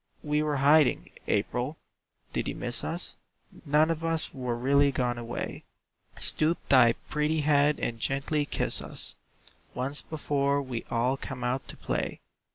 "We were hiding, April. Did you miss us? None of us were really gone away; Stoop thy pretty head and gently kiss us Once before we all come out to play.